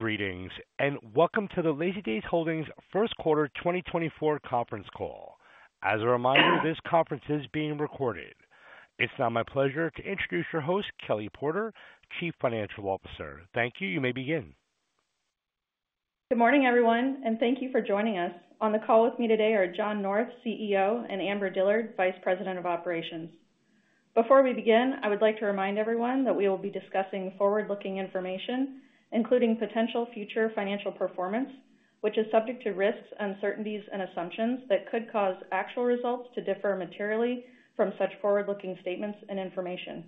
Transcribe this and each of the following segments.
...Greetings, and welcome to the Lazydays Holdings First Quarter 2024 conference call. As a reminder, this conference is being recorded. It's now my pleasure to introduce your host, Kelly Porter, Chief Financial Officer. Thank you. You may begin. Good morning, everyone, and thank you for joining us. On the call with me today are John North, CEO, and Amber Dillard, Vice President of Operations. Before we begin, I would like to remind everyone that we will be discussing forward-looking information, including potential future financial performance, which is subject to risks, uncertainties, and assumptions that could cause actual results to differ materially from such forward-looking statements and information.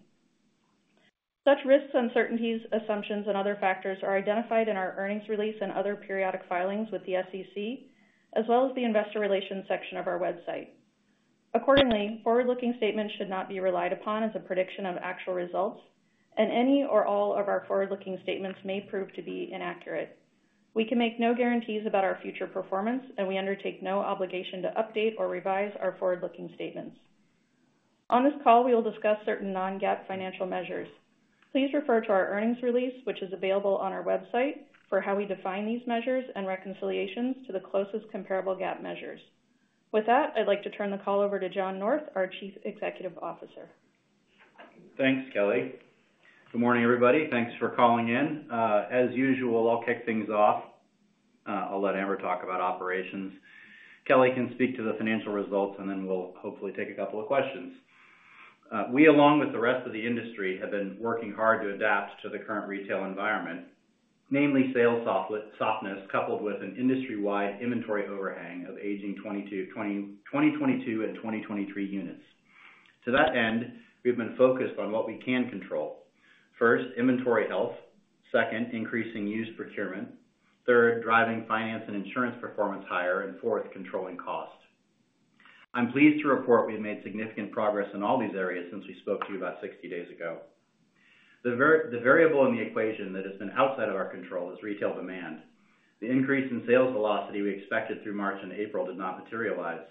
Such risks, uncertainties, assumptions, and other factors are identified in our earnings release and other periodic filings with the SEC, as well as the investor relations section of our website. Accordingly, forward-looking statements should not be relied upon as a prediction of actual results, and any or all of our forward-looking statements may prove to be inaccurate. We can make no guarantees about our future performance, and we undertake no obligation to update or revise our forward-looking statements. On this call, we will discuss certain non-GAAP financial measures. Please refer to our earnings release, which is available on our website, for how we define these measures and reconciliations to the closest comparable GAAP measures. With that, I'd like to turn the call over to John North, our Chief Executive Officer. Thanks, Kelly. Good morning, everybody. Thanks for calling in. As usual, I'll kick things off. I'll let Amber talk about operations. Kelly can speak to the financial results, and then we'll hopefully take a couple of questions. We, along with the rest of the industry, have been working hard to adapt to the current retail environment, namely sales softness, coupled with an industry-wide inventory overhang of aging 2022 and 2023 units. To that end, we've been focused on what we can control. First, inventory health; second, increasing used procurement; third, driving finance and insurance performance higher; and fourth, controlling costs. I'm pleased to report we've made significant progress in all these areas since we spoke to you about 60 days ago. The variable in the equation that has been outside of our control is retail demand. The increase in sales velocity we expected through March and April did not materialize.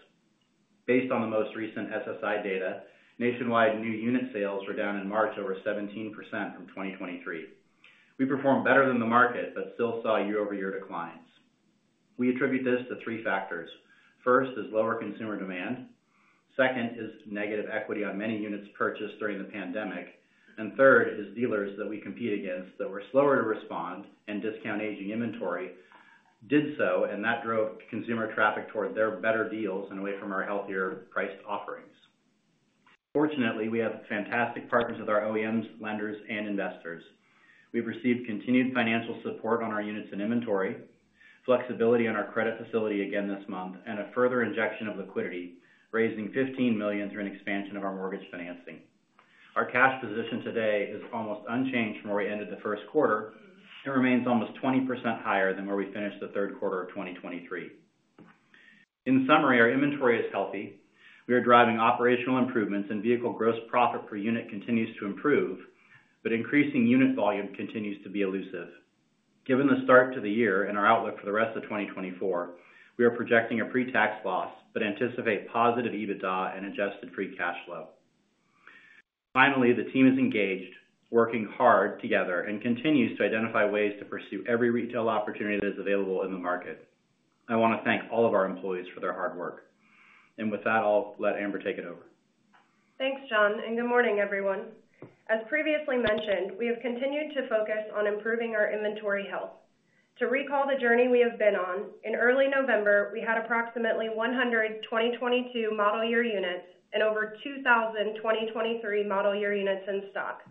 Based on the most recent SSI data, nationwide new unit sales were down in March, over 17% from 2023. We performed better than the market, but still saw year-over-year declines. We attribute this to three factors. First is lower consumer demand, second is negative equity on many units purchased during the pandemic, and third is dealers that we compete against that were slower to respond and discount aging inventory did so, and that drove consumer traffic toward their better deals and away from our healthier priced offerings. Fortunately, we have fantastic partners with our OEMs, lenders, and investors. We've received continued financial support on our units and inventory, flexibility on our credit facility again this month, and a further injection of liquidity, raising $15,000,000 through an expansion of our mortgage financing. Our cash position today is almost unchanged from where we ended the first quarter and remains almost 20% higher than where we finished the third quarter of 2023. In summary, our inventory is healthy. We are driving operational improvements, and vehicle gross profit per unit continues to improve, but increasing unit volume continues to be elusive. Given the start to the year and our outlook for the rest of 2024, we are projecting a pre-tax loss but anticipate positive EBITDA and adjusted free cash flow. Finally, the team is engaged, working hard together and continues to identify ways to pursue every retail opportunity that is available in the market. I want to thank all of our employees for their hard work. And with that, I'll let Amber take it over. Thanks, John, and good morning, everyone. As previously mentioned, we have continued to focus on improving our inventory health. To recall the journey we have been on, in early November, we had approximately 122 2022 model year units and over 2,000 2023 model year units in stock.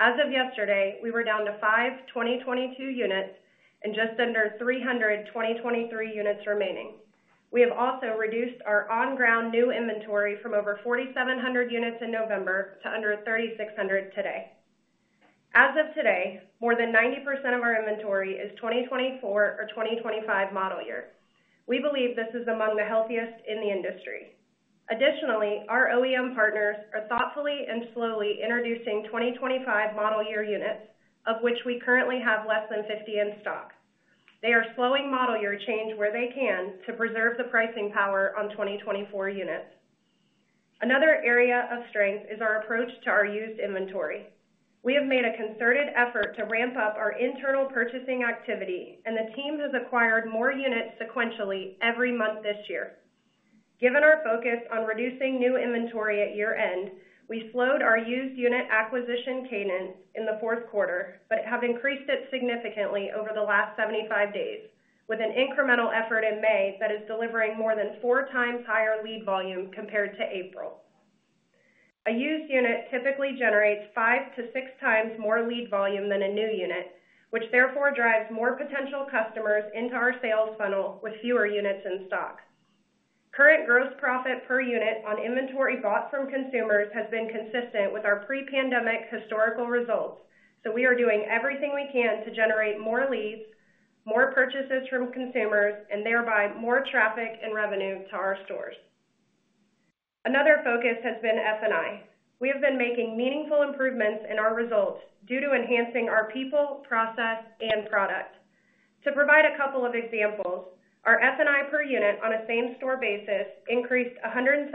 As of yesterday, we were down to 5 2022 units and just under 300 2023 units remaining. We have also reduced our on-ground new inventory from over 4,700 units in November to under 3,600 today. As of today, more than 90% of our inventory is 2024 or 2025 model year. We believe this is among the healthiest in the industry. Additionally, our OEM partners are thoughtfully and slowly introducing 2025 model year units, of which we currently have less than 50 in stock. They are slowing model year change where they can to preserve the pricing power on 2024 units. Another area of strength is our approach to our used inventory. We have made a concerted effort to ramp up our internal purchasing activity, and the team has acquired more units sequentially every month this year. Given our focus on reducing new inventory at year-end, we slowed our used unit acquisition cadence in the fourth quarter, but have increased it significantly over the last 75 days, with an incremental effort in May that is delivering more than 4 times higher lead volume compared to April. A used unit typically generates 5-6 times more lead volume than a new unit, which therefore drives more potential customers into our sales funnel with fewer units in stock. Current gross profit per unit on inventory bought from consumers has been consistent with our pre-pandemic historical results, so we are doing everything we can to generate more leads, more purchases from consumers, and thereby more traffic and revenue to our stores. Another focus has been F&I. We have been making meaningful improvements in our results due to enhancing our people, process, and product. To provide a couple of examples, our F&I per unit on a same-store basis increased $170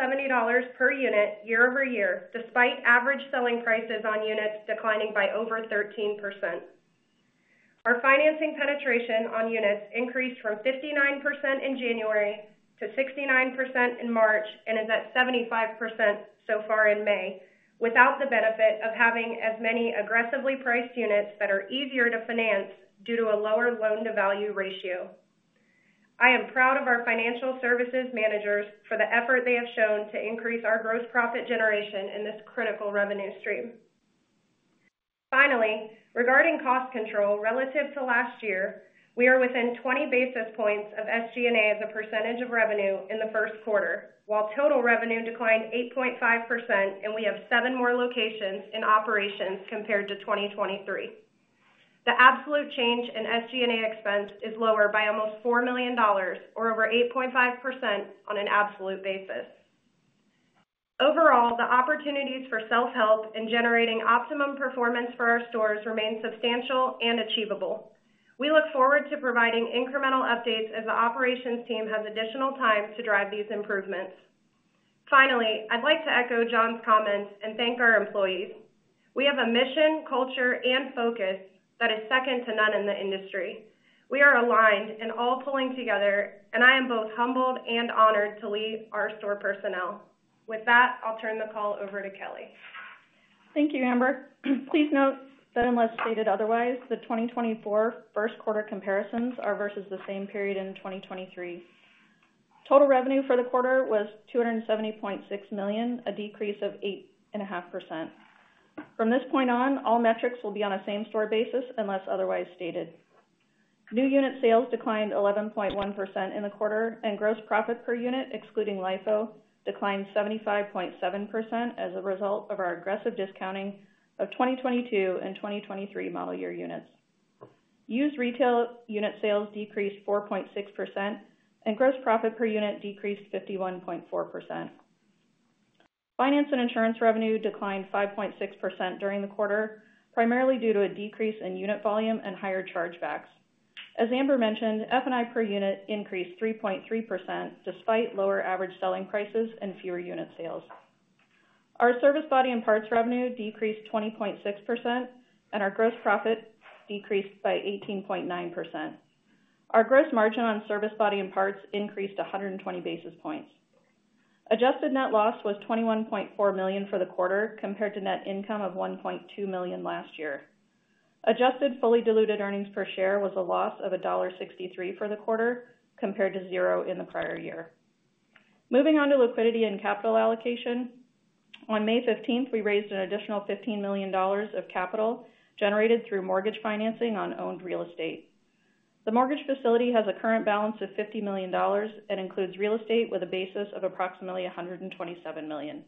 per unit year over year, despite average selling prices on units declining by over 13%....Our financing penetration on units increased from 59% in January to 69% in March, and is at 75% so far in May, without the benefit of having as many aggressively priced units that are easier to finance due to a lower loan-to-value ratio. I am proud of our financial services managers for the effort they have shown to increase our gross profit generation in this critical revenue stream. Finally, regarding cost control relative to last year, we are within 20 basis points of SG&A as a percentage of revenue in the first quarter, while total revenue declined 8.5%, and we have 7 more locations in operations compared to 2023. The absolute change in SG&A expense is lower by almost $4,000,000 or over 8.5% on an absolute basis. Overall, the opportunities for self-help in generating optimum performance for our stores remain substantial and achievable. We look forward to providing incremental updates as the operations team has additional time to drive these improvements. Finally, I'd like to echo John's comments and thank our employees. We have a mission, culture, and focus that is second to none in the industry. We are aligned and all pulling together, and I am both humbled and honored to lead our store personnel. With that, I'll turn the call over to Kelly. Thank you, Amber. Please note that unless stated otherwise, the 2024 first quarter comparisons are versus the same period in 2023. Total revenue for the quarter was $270,600,000, a decrease of 8.5%. From this point on, all metrics will be on a same-store basis unless otherwise stated. New unit sales declined 11.1% in the quarter, and gross profit per unit, excluding LIFO, declined 75.7% as a result of our aggressive discounting of 2022 and 2023 model year units. Used retail unit sales decreased 4.6%, and gross profit per unit decreased 51.4%. Finance and insurance revenue declined 5.6% during the quarter, primarily due to a decrease in unit volume and higher chargebacks. As Amber mentioned, F&I per unit increased 3.3%, despite lower average selling prices and fewer unit sales. Our service, body and parts revenue decreased 20.6%, and our gross profit decreased by 18.9%. Our gross margin on service, body and parts increased 120 basis points. Adjusted net loss was $21,400,000 for the quarter, compared to net income of $1,200,000last year. Adjusted fully diluted earnings per share was a loss of $1.63 for the quarter, compared to zero in the prior year. Moving on to liquidity and capital allocation. On May fifteenth, we raised an additional $15,000,000 of capital generated through mortgage financing on owned real estate. The mortgage facility has a current balance of $50,000,000 and includes real estate with a basis of approximately $127,000,000.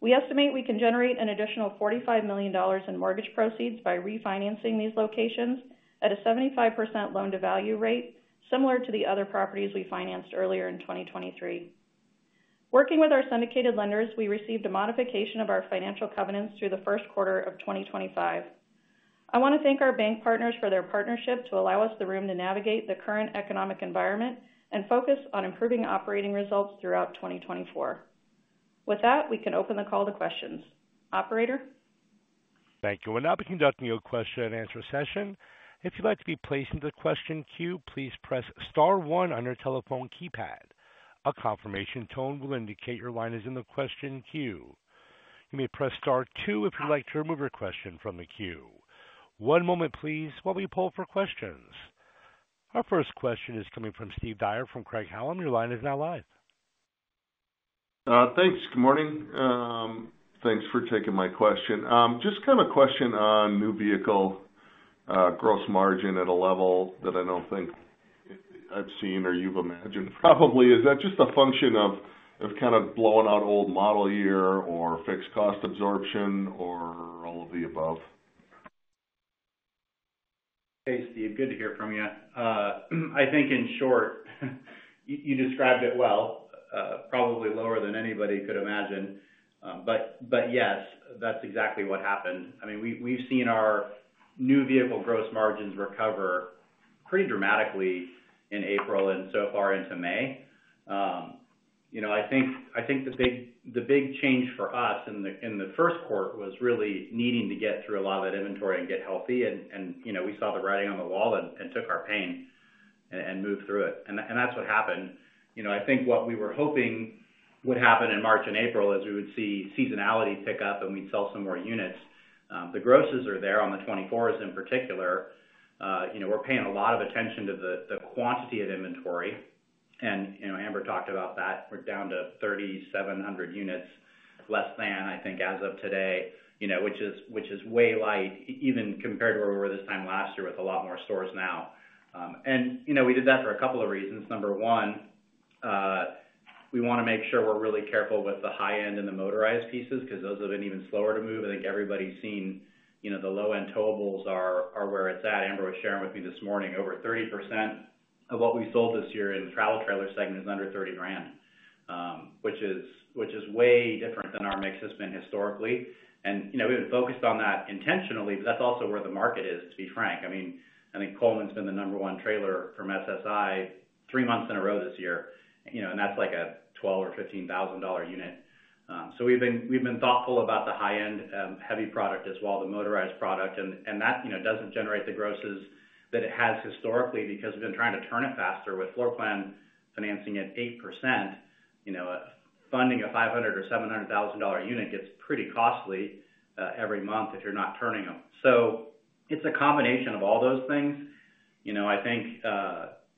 We estimate we can generate an additional $45,000,000 in mortgage proceeds by refinancing these locations at a 75% loan-to-value rate, similar to the other properties we financed earlier in 2023. Working with our syndicated lenders, we received a modification of our financial covenants through the first quarter of 2025. I want to thank our bank partners for their partnership to allow us the room to navigate the current economic environment and focus on improving operating results throughout 2024. With that, we can open the call to questions. Operator? Thank you. We'll now be conducting your question-and-answer session. If you'd like to be placed into the question queue, please press star one on your telephone keypad. A confirmation tone will indicate your line is in the question queue. You may press star two if you'd like to remove your question from the queue. One moment please, while we poll for questions. Our first question is coming from Steve Dyer from Craig-Hallum. Your line is now live. Thanks. Good morning. Thanks for taking my question. Just kind of a question on new vehicle gross margin at a level that I don't think I've seen or you've imagined, probably. Is that just a function of kind of blowing out old model year or fixed cost absorption or all of the above? Hey, Steve, good to hear from you. I think, in short, you described it well, probably lower than anybody could imagine. But, yes, that's exactly what happened. I mean, we've seen our new vehicle gross margins recover pretty dramatically in April and so far into May. You know, I think the big change for us in the first quarter was really needing to get through a lot of that inventory and get healthy and, you know, we saw the writing on the wall and took our pain and moved through it. And that's what happened. You know, I think what we were hoping would happen in March and April is we would see seasonality pick up, and we'd sell some more units. The grosses are there on the 2024s in particular. You know, we're paying a lot of attention to the quantity of inventory, and, you know, Amber talked about that. We're down to 3,700 units, less than I think as of today, you know, which is way light even compared to where we were this time last year, with a lot more stores now. And, you know, we did that for a couple of reasons. Number one, we want to make sure we're really careful with the high-end and the motorized pieces, because those have been even slower to move. I think everybody's seen, you know, the low-end towables are where it's at. Amber was sharing with me this morning, over 30% of what we sold this year in the travel trailer segment is under $30,000.... which is, which is way different than our mix has been historically. And, you know, we've been focused on that intentionally, but that's also where the market is, to be frank. I mean, I think Coleman's been the number one trailer from SSI three months in a row this year, you know, and that's like a $12,000 or $15,000 unit. So we've been, we've been thoughtful about the high-end, heavy product as well, the motorized product, and, and that, you know, doesn't generate the grosses that it has historically because we've been trying to turn it faster. With floor plan financing at 8%, you know, funding a $500,000 or $700,000 unit gets pretty costly, every month if you're not turning them. So it's a combination of all those things. You know, I think,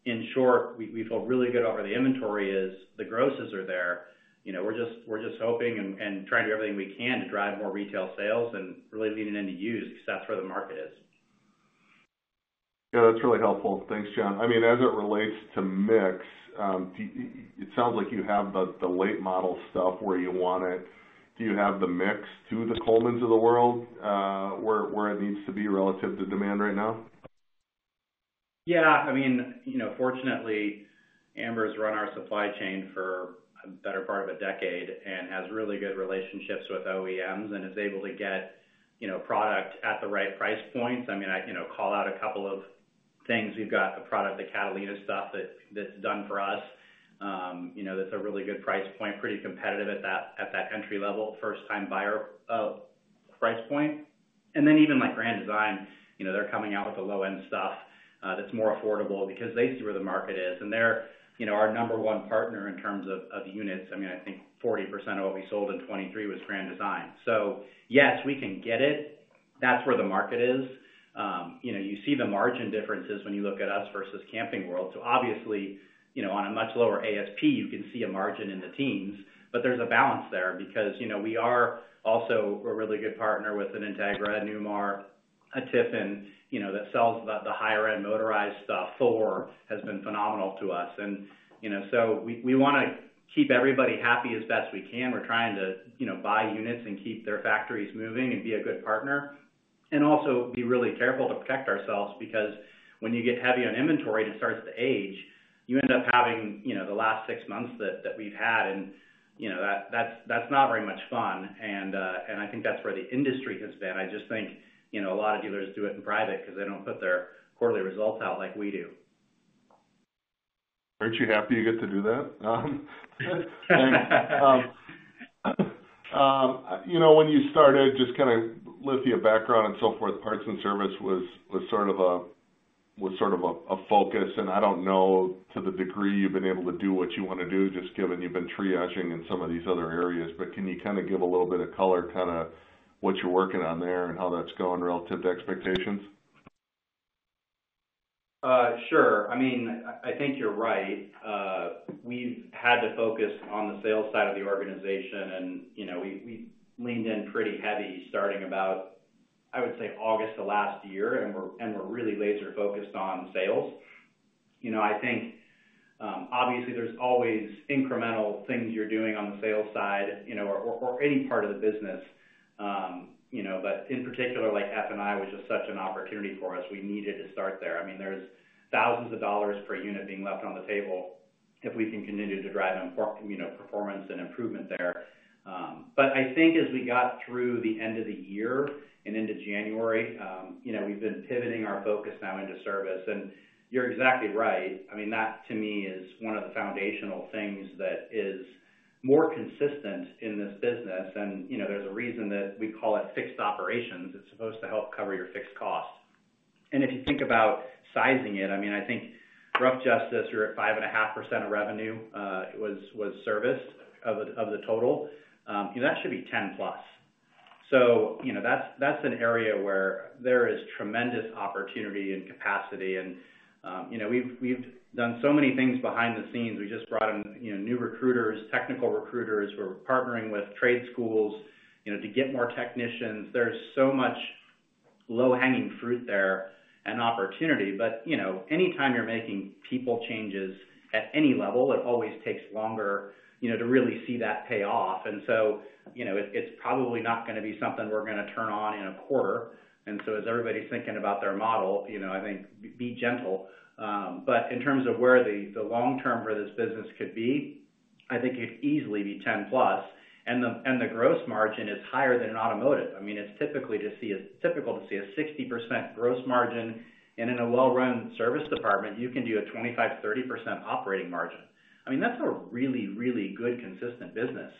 in short, we feel really good about where the inventory is. The grosses are there. You know, we're just hoping and trying to do everything we can to drive more retail sales and really leaning into used, because that's where the market is. Yeah, that's really helpful. Thanks, John. I mean, as it relates to mix, do you? It sounds like you have the, the late model stuff where you want it. Do you have the mix to the Colemans of the world, where it needs to be relative to demand right now? Yeah, I mean, you know, fortunately, Amber's run our supply chain for the better part of a decade and has really good relationships with OEMs and is able to get, you know, product at the right price points. I mean, I, you know, call out a couple of things. We've got a product, the Catalina stuff, that's done for us. You know, that's a really good price point, pretty competitive at that, at that entry-level, first-time buyer price point. And then even, like, Grand Design, you know, they're coming out with the low-end stuff that's more affordable because they see where the market is, and they're, you know, our number one partner in terms of units. I mean, I think 40% of what we sold in 2023 was Grand Design. So yes, we can get it. That's where the market is. You know, you see the margin differences when you look at us versus Camping World. So obviously, you know, on a much lower ASP, you can see a margin in the teens. But there's a balance there because, you know, we are also a really good partner with an Entegra, Newmar, a Tiffin, you know, that sells the higher end motorized stuff. Thor has been phenomenal to us. And, you know, so we wanna keep everybody happy as best we can. We're trying to, you know, buy units and keep their factories moving and be a good partner, and also be really careful to protect ourselves, because when you get heavy on inventory, it starts to age. You end up having, you know, the last six months that we've had, and, you know, that's not very much fun. I think that's where the industry has been. I just think, you know, a lot of dealers do it in private because they don't put their quarterly results out like we do. Aren't you happy you get to do that? You know, when you started, just kind of looked at your background and so forth, parts and service was sort of a focus, and I don't know, to the degree you've been able to do what you wanna do, just given you've been triaging in some of these other areas. But can you kind of give a little bit of color, kind of what you're working on there and how that's going relative to expectations? Sure. I mean, I think you're right. We've had to focus on the sales side of the organization, and, you know, we leaned in pretty heavy, starting about, I would say, August of last year, and we're really laser-focused on sales. You know, I think, obviously, there's always incremental things you're doing on the sales side, you know, or any part of the business. You know, but in particular, like F&I, was just such an opportunity for us. We needed to start there. I mean, there's thousands of dollars per unit being left on the table if we can continue to drive improved, you know, performance and improvement there. But I think as we got through the end of the year and into January, you know, we've been pivoting our focus now into service. And you're exactly right. I mean, that, to me, is one of the foundational things that is more consistent in this business. And, you know, there's a reason that we call it fixed operations. It's supposed to help cover your fixed costs. And if you think about sizing it, I mean, I think rough justice, you're at 5.5% of revenue, was serviced of the, of the total. That should be 10+. So, you know, that's an area where there is tremendous opportunity and capacity and, you know, we've done so many things behind the scenes. We just brought in, you know, new recruiters, technical recruiters. We're partnering with trade schools, you know, to get more technicians. There's so much low-hanging fruit there and opportunity. But, you know, anytime you're making people changes at any level, it always takes longer, you know, to really see that pay off. And so, you know, it's probably not gonna be something we're gonna turn on in a quarter. And so as everybody's thinking about their model, you know, I think, be gentle. But in terms of where the, the long term for this business could be, I think it'd easily be 10+, and the, and the gross margin is higher than in automotive. I mean, it's typically to see a typical to see a 60% gross margin, and in a well-run service department, you can do a 25%-30% operating margin. I mean, that's a really, really good, consistent business.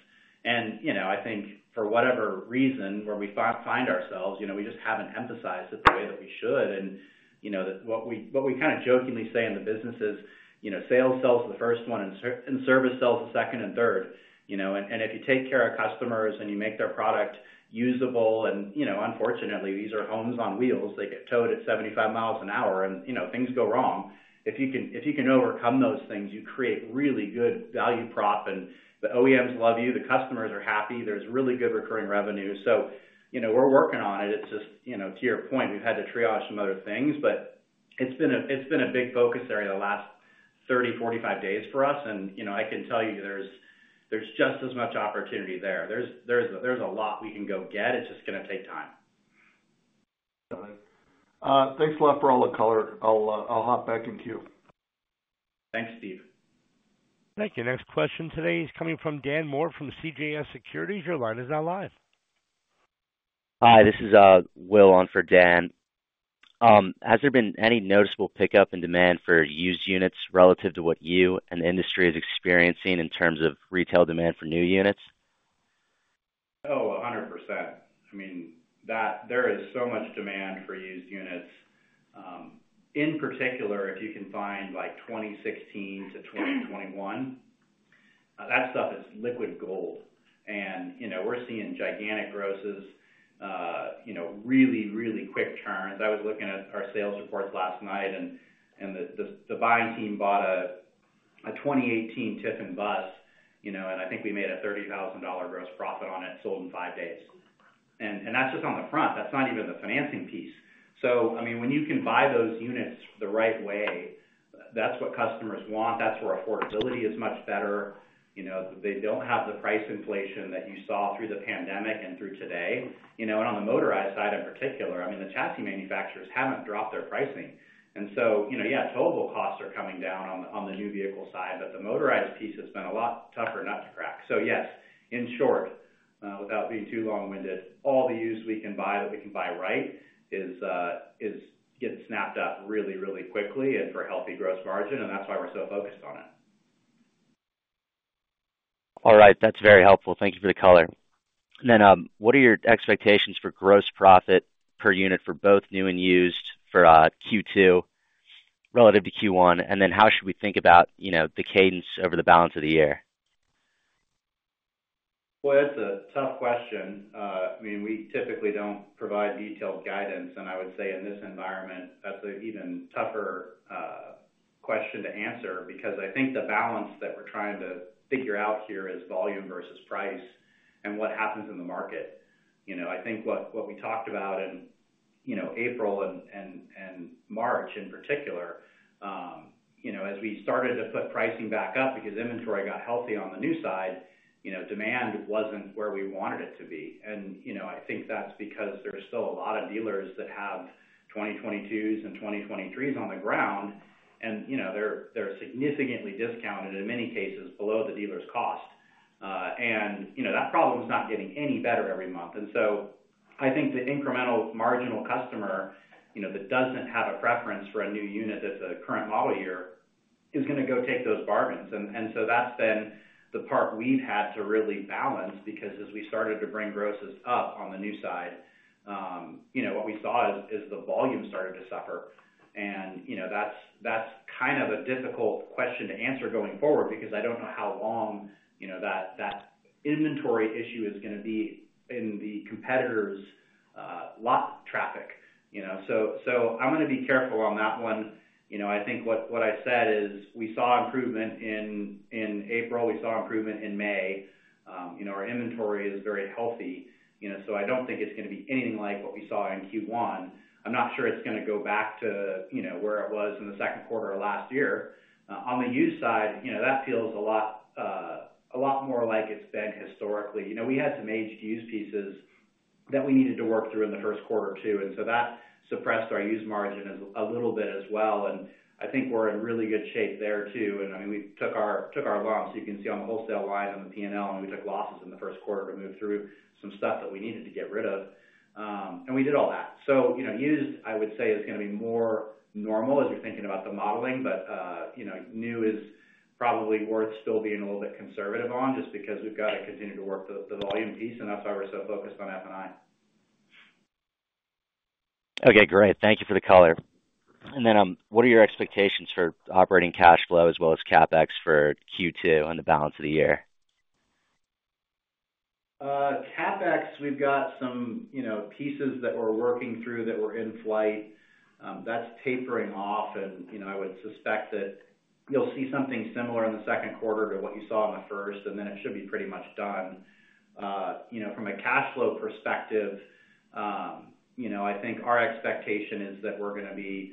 You know, I think for whatever reason, where we find ourselves, you know, we just haven't emphasized it the way that we should. You know, what we kind of jokingly say in the business is, you know, sales sells the first one, and service sells the second and third. You know, and if you take care of customers and you make their product usable, and, you know, unfortunately, these are homes on wheels. They get towed at 75 miles an hour and, you know, things go wrong. If you can overcome those things, you create really good value prop, and the OEMs love you, the customers are happy, there's really good recurring revenue. So, you know, we're working on it. It's just, you know, to your point, we've had to triage some other things, but it's been a, it's been a big focus area the last 30, 45 days for us. And, you know, I can tell you, there's, there's, there's a lot we can go get. It's just gonna take time.... Thanks a lot for all the color. I'll hop back in queue. Thanks, Steve. Thank you. Next question today is coming from Dan Moore from CJS Securities. Your line is now live. Hi, this is Will on for Dan. Has there been any noticeable pickup in demand for used units relative to what you and the industry is experiencing in terms of retail demand for new units? Oh, 100%. I mean, that there is so much demand for used units. In particular, if you can find, like, 2016 to 2021, that stuff is liquid gold. And, you know, we're seeing gigantic grosses, you know, really, really quick turns. I was looking at our sales reports last night, and the buying team bought a 2018 Tiffin bus, you know, and I think we made a $30,000 gross profit on it, sold in five days. And that's just on the front. That's not even the financing piece. So, I mean, when you can buy those units the right way, that's what customers want. That's where affordability is much better. You know, they don't have the price inflation that you saw through the pandemic and through today. You know, and on the motorized side, in particular, I mean, the chassis manufacturers haven't dropped their pricing. And so, you know, yeah, towable costs are coming down on, on the new vehicle side, but the motorized piece has been a lot tougher nut to crack. So yes, in short, without being too long-winded, all the used we can buy, that we can buy right, is, is getting snapped up really, really quickly and for a healthy gross margin, and that's why we're so focused on it. All right. That's very helpful. Thank you for the color. And then, what are your expectations for gross profit per unit for both new and used for Q2 relative to Q1? And then how should we think about, you know, the cadence over the balance of the year? Well, that's a tough question. I mean, we typically don't provide detailed guidance, and I would say in this environment, that's an even tougher question to answer, because I think the balance that we're trying to figure out here is volume versus price and what happens in the market. You know, I think what we talked about in, you know, April and March, in particular, as we started to put pricing back up because inventory got healthy on the new side, you know, demand wasn't where we wanted it to be. And, you know, I think that's because there are still a lot of dealers that have 2022s and 2023s on the ground, and, you know, they're significantly discounted, in many cases, below the dealer's cost. And, you know, that problem is not getting any better every month. And so I think the incremental marginal customer, you know, that doesn't have a preference for a new unit, that's a current model year, is going to go take those bargains. And so that's been the part we've had to really balance, because as we started to bring grosses up on the new side, you know, what we saw is the volume started to suffer. And, you know, that's kind of a difficult question to answer going forward, because I don't know how long, you know, that inventory issue is going to be in the competitor's lot traffic, you know? So I'm going to be careful on that one. You know, I think what I said is, we saw improvement in April. We saw improvement in May. You know, our inventory is very healthy, you know, so I don't think it's going to be anything like what we saw in Q1. I'm not sure it's going to go back to, you know, where it was in the second quarter of last year. On the used side, you know, that feels a lot, a lot more like it's been historically. You know, we had some aged used pieces that we needed to work through in the first quarter, too, and so that suppressed our used margin a little bit as well, and I think we're in really good shape there, too. And, I mean, we took our loss. You can see on the wholesale line on the P&L, and we took losses in the first quarter to move through some stuff that we needed to get rid of. We did all that. So, you know, used, I would say, is going to be more normal as you're thinking about the modeling, but, you know, new is probably worth still being a little bit conservative on, just because we've got to continue to work the volume piece, and that's why we're so focused on F&I. Okay, great. Thank you for the color. And then, what are your expectations for operating cash flow as well as CapEx for Q2 and the balance of the year? CapEx, we've got some, you know, pieces that we're working through that were in flight. That's tapering off and, you know, I would suspect that you'll see something similar in the second quarter to what you saw in the first, and then it should be pretty much done. You know, from a cash flow perspective, you know, I think our expectation is that we're going to be,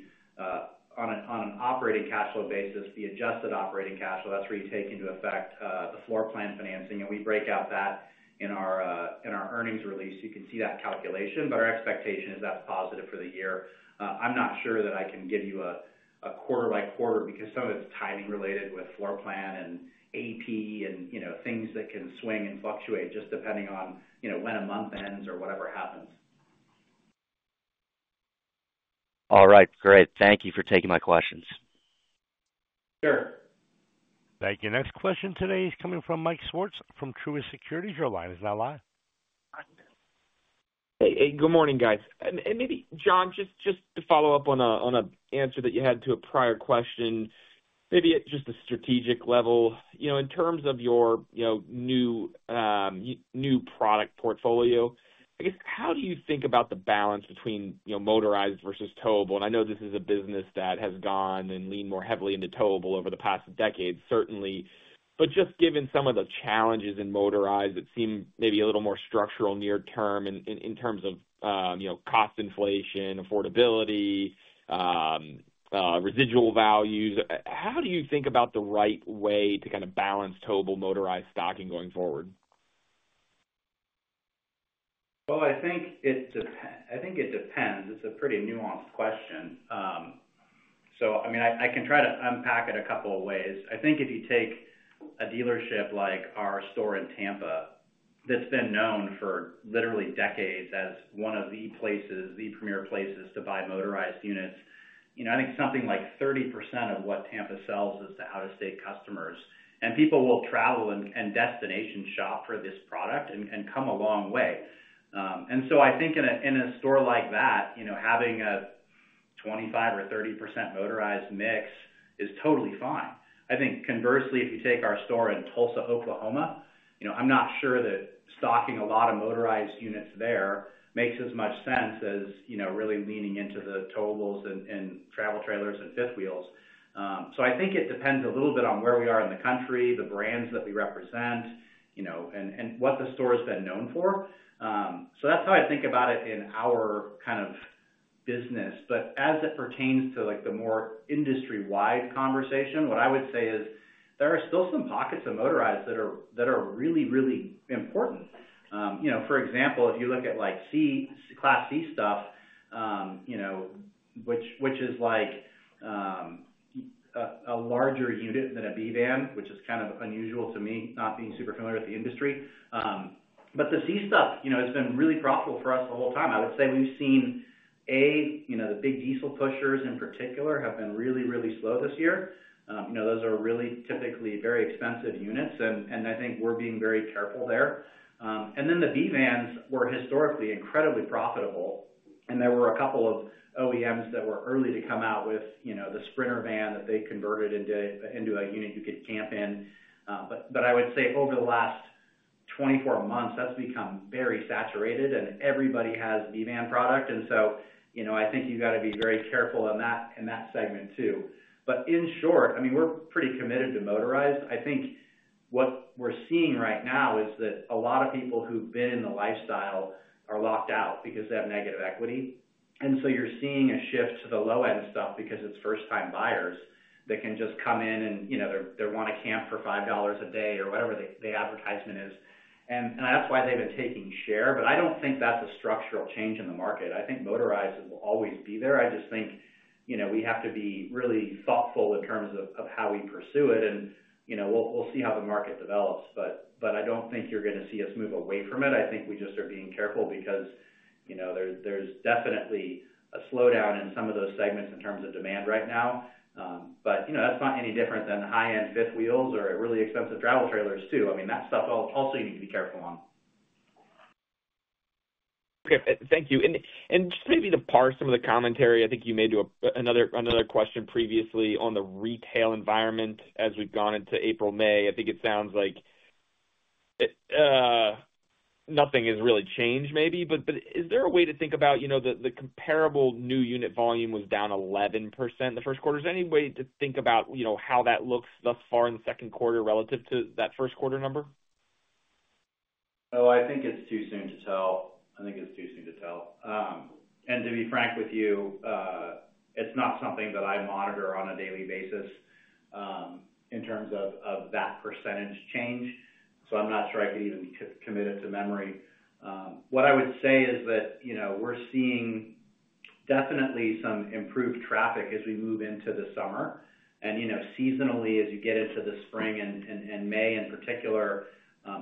on an operating cash flow basis, the adjusted operating cash flow, that's where you take into effect the floor plan financing, and we break out that in our in our earnings release. You can see that calculation, but our expectation is that's positive for the year. I'm not sure that I can give you a quarter by quarter, because some of it's timing related with floor plan and AP and, you know, things that can swing and fluctuate just depending on, you know, when a month ends or whatever happens. All right, great. Thank you for taking my questions. Sure. Thank you. Next question today is coming from Mike Swartz from Truist Securities. Your line is now live. Hey, hey, good morning, guys. And maybe, John, just to follow up on an answer that you had to a prior question, maybe at just a strategic level, you know, in terms of your, you know, new product portfolio, I guess, how do you think about the balance between, you know, motorized versus towable? And I know this is a business that has gone and leaned more heavily into towable over the past decade, certainly. But just given some of the challenges in motorized, it seemed maybe a little more structural near term in terms of, you know, cost inflation, affordability, residual values. How do you think about the right way to kind of balance towable motorized stocking going forward? ... Well, I think it depends. It's a pretty nuanced question. So I mean, I can try to unpack it a couple of ways. I think if you take a dealership like our store in Tampa, that's been known for literally decades as one of the places, the premier places, to buy motorized units, you know, I think something like 30% of what Tampa sells is to out-of-state customers, and people will travel and destination shop for this product and come a long way. And so I think in a store like that, you know, having a 25% or 30% motorized mix is totally fine. I think conversely, if you take our store in Tulsa, Oklahoma, you know, I'm not sure that stocking a lot of motorized units there makes as much sense as, you know, really leaning into the towables and, and travel trailers and fifth wheels. So I think it depends a little bit on where we are in the country, the brands that we represent, you know, and, and what the store has been known for. So that's how I think about it in our kind of business. But as it pertains to, like, the more industry-wide conversation, what I would say is there are still some pockets of motorized that are, that are really, really important. You know, for example, if you look at, like, Class C stuff, you know, which is like a larger unit than a B van, which is kind of unusual to me, not being super familiar with the industry. But the C stuff, you know, has been really profitable for us the whole time. I would say we've seen the big diesel pushers in particular have been really, really slow this year. You know, those are really typically very expensive units, and I think we're being very careful there. And then the B vans were historically incredibly profitable, and there were a couple of OEMs that were early to come out with, you know, the Sprinter van that they converted into a unit you could camp in. But, but I would say over the last 24 months, that's become very saturated, and everybody has B van product. And so, you know, I think you've got to be very careful in that, in that segment, too. But in short, I mean, we're pretty committed to motorized. I think what we're seeing right now is that a lot of people who've been in the lifestyle are locked out because they have negative equity. And so you're seeing a shift to the low-end stuff because it's first-time buyers that can just come in and, you know, they, they want to camp for $5 a day or whatever the, the advertisement is. And, and that's why they've been taking share, but I don't think that's a structural change in the market. I think motorized will always be there. I just think, you know, we have to be really thoughtful in terms of of how we pursue it, and, you know, we'll see how the market develops. But I don't think you're going to see us move away from it. I think we just are being careful because, you know, there's definitely a slowdown in some of those segments in terms of demand right now. But, you know, that's not any different than high-end fifth wheels or really expensive travel trailers, too. I mean, that stuff also you need to be careful on. Okay, thank you. And, just maybe to parse some of the commentary, I think you made to another question previously on the retail environment as we've gone into April, May. I think it sounds like, it, nothing has really changed, maybe, but is there a way to think about, you know, the comparable new unit volume was down 11% in the first quarter. Is there any way to think about, you know, how that looks thus far in the second quarter relative to that first quarter number? Oh, I think it's too soon to tell. I think it's too soon to tell. And to be frank with you, it's not something that I monitor on a daily basis, in terms of that percentage change, so I'm not sure I could even commit it to memory. What I would say is that, you know, we're seeing definitely some improved traffic as we move into the summer. And, you know, seasonally, as you get into the spring and May in particular,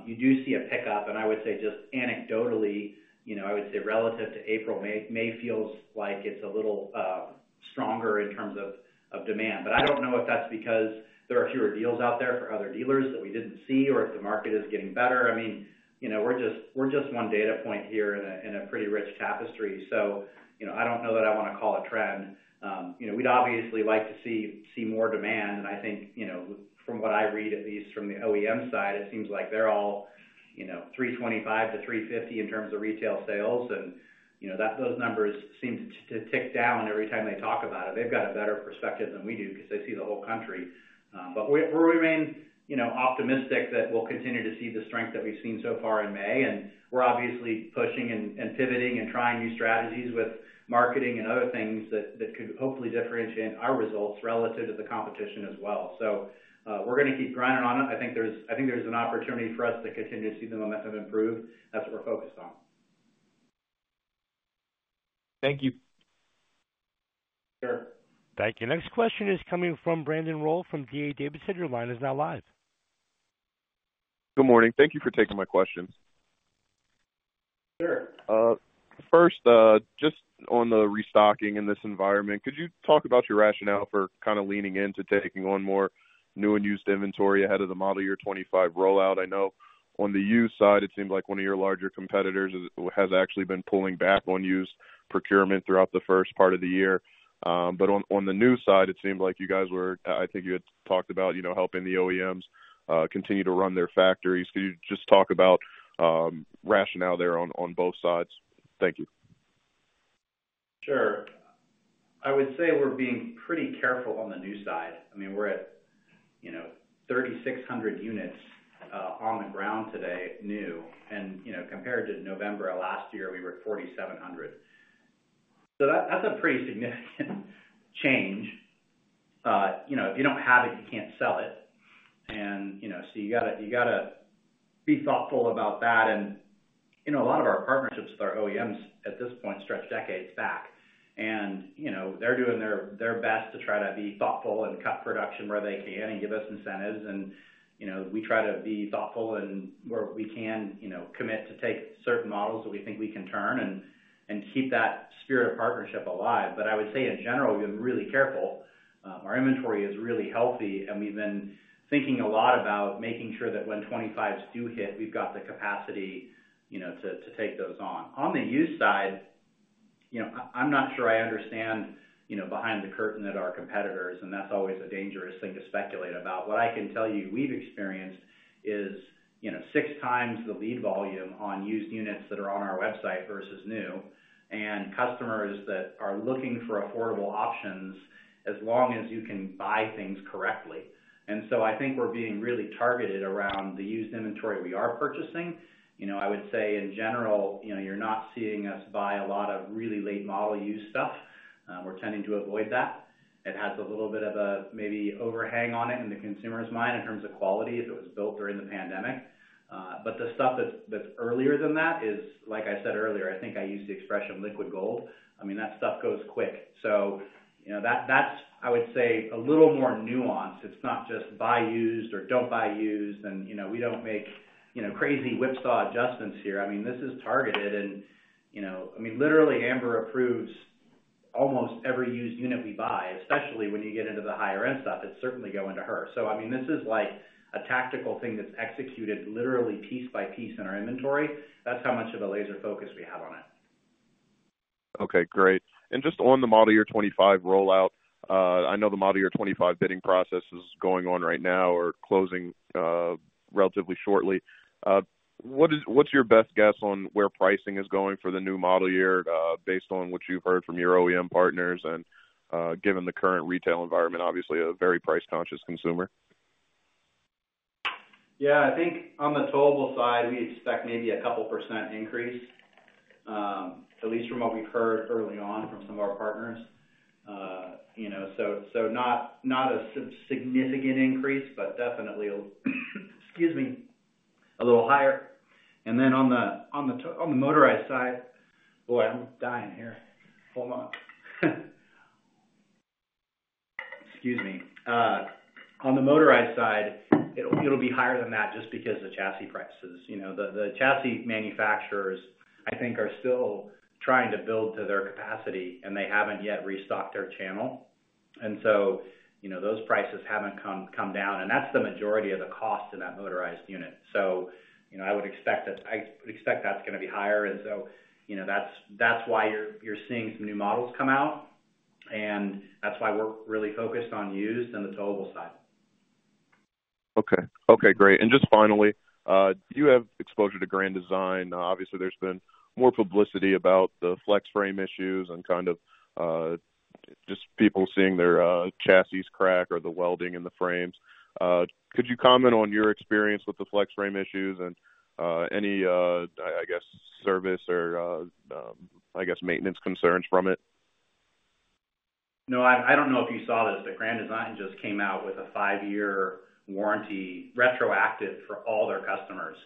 you do see a pickup. And I would say just anecdotally, you know, I would say relative to April, May, May feels like it's a little stronger in terms of demand. But I don't know if that's because there are fewer deals out there for other dealers that we didn't see or if the market is getting better. I mean, you know, we're just, we're just one data point here in a, in a pretty rich tapestry. So, you know, I don't know that I want to call it a trend. You know, we'd obviously like to see, see more demand, and I think, you know, from what I read, at least from the OEM side, it seems like they're all, you know, 325-350 in terms of retail sales. And, you know, that- those numbers seem to, to tick down every time they talk about it. They've got a better perspective than we do because they see the whole country. But we remain, you know, optimistic that we'll continue to see the strength that we've seen so far in May, and we're obviously pushing and pivoting and trying new strategies with marketing and other things that could hopefully differentiate our results relative to the competition as well. So, we're going to keep grinding on it. I think there's an opportunity for us to continue to see the momentum improve. That's what we're focused on. Thank you. Sure. Thank you. Next question is coming from Brandon Rollé from D.A. Davidson. Your line is now live. Good morning. Thank you for taking my questions. Sure. First, just on the restocking in this environment, could you talk about your rationale for kind of leaning into taking on more new and used inventory ahead of the model year 25 rollout? I know on the used side, it seems like one of your larger competitors has actually been pulling back on used procurement throughout the first part of the year. But on, on the new side, it seemed like you guys were, I think you had talked about, you know, helping the OEMs continue to run their factories. Could you just talk about rationale there on, on both sides? Thank you. Sure. I would say we're being pretty careful on the new side. I mean, we're at, you know, 3,600 units on the ground today, new, and, you know, compared to November of last year, we were 4,700. So that, that's a pretty significant change. you know, if you don't have it, you can't sell it. And, you know, so you gotta, you gotta be thoughtful about that. And, you know, a lot of our partnerships with our OEMs at this point stretch decades back, and, you know, they're doing their, their best to try to be thoughtful and cut production where they can and give us incentives. And, you know, we try to be thoughtful and where we can, you know, commit to take certain models that we think we can turn and, and keep that spirit of partnership alive. But I would say in general, we've been really careful. Our inventory is really healthy, and we've been thinking a lot about making sure that when 2025s do hit, we've got the capacity, you know, to take those on. On the used side, you know, I'm not sure I understand, you know, behind the curtain that our competitors, and that's always a dangerous thing to speculate about. What I can tell you we've experienced is, you know, six times the lead volume on used units that are on our website versus new, and customers that are looking for affordable options as long as you can buy things correctly. And so I think we're being really targeted around the used inventory we are purchasing. You know, I would say in general, you know, you're not seeing us buy a lot of really late model used stuff. We're tending to avoid that. It has a little bit of a maybe overhang on it in the consumer's mind in terms of quality, if it was built during the pandemic. But the stuff that's earlier than that is, like I said earlier, I think I used the expression liquid gold. I mean, that stuff goes quick. So you know, that's, I would say, a little more nuanced. It's not just buy used or don't buy used, and, you know, we don't make, you know, crazy whipsaw adjustments here. I mean, this is targeted and, you know... I mean, literally, Amber approves almost every used unit we buy, especially when you get into the higher end stuff. It's certainly going to her. So I mean, this is like a tactical thing that's executed literally piece by piece in our inventory. That's how much of a laser focus we have on it. Okay, great. And just on the model year 2025 rollout, I know the model year 2025 bidding process is going on right now or closing relatively shortly. What's your best guess on where pricing is going for the new model year, based on what you've heard from your OEM partners and, given the current retail environment? Obviously, a very price-conscious consumer. Yeah, I think on the towable side, we expect maybe a couple% increase, at least from what we've heard early on from some of our partners. You know, so not a significant increase, but definitely a little higher. And then on the motorized side... Boy, I'm dying here. Hold on. Excuse me. On the motorized side, it'll be higher than that just because the chassis prices. You know, the chassis manufacturers, I think, are still trying to build to their capacity, and they haven't yet restocked their channel. And so, you know, those prices haven't come down, and that's the majority of the cost in that motorized unit. So, you know, I would expect that... I expect that's gonna be higher. So, you know, that's why you're seeing some new models come out, and that's why we're really focused on used and the towable side. Okay. Okay, great. And just finally, do you have exposure to Grand Design? Obviously, there's been more publicity about the flex frame issues and kind of just people seeing their chassis crack or the welding in the frames. Could you comment on your experience with the flex frame issues and any, I guess, service or, I guess, maintenance concerns from it? No, I, I don't know if you saw this, but Grand Design just came out with a 5-year warranty, retroactive for all their customers.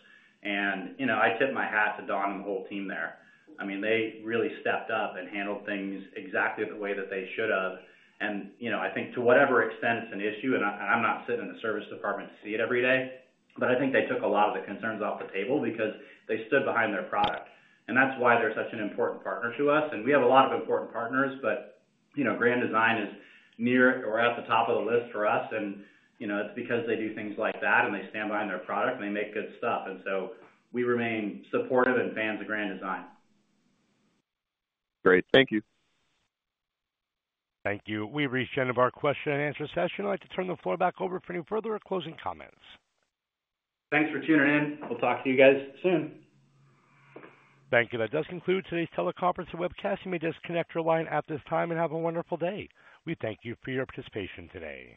And, you know, I tip my hat to Don and the whole team there. I mean, they really stepped up and handled things exactly the way that they should have. And, you know, I think to whatever extent it's an issue, and I, and I'm not sitting in the service department to see it every day, but I think they took a lot of the concerns off the table because they stood behind their product. And that's why they're such an important partner to us. And we have a lot of important partners, but, you know, Grand Design is near or at the top of the list for us. And, you know, it's because they do things like that, and they stand behind their product, and they make good stuff. And so we remain supportive and fans of Grand Design. Great. Thank you. Thank you. We've reached the end of our question and answer session. I'd like to turn the floor back over for any further closing comments. Thanks for tuning in. We'll talk to you guys soon. Thank you. That does conclude today's teleconference and webcast. You may disconnect your line at this time and have a wonderful day. We thank you for your participation today.